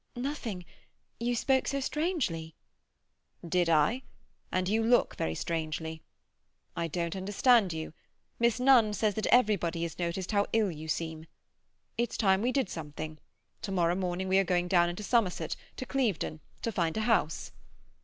"Nothing. You spoke so strangely—" "Did I? And you look very strangely. I don't understand you. Miss Nunn says that everybody has noticed how ill you seem. It's time we did something. To morrow morning we are going down into Somerset, to Clevedon, to find a house."